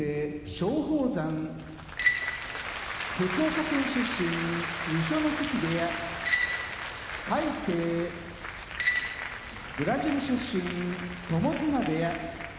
松鳳山福岡県出身二所ノ関部屋魁聖ブラジル出身友綱部屋